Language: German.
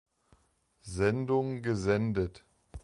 Sendung gesendet.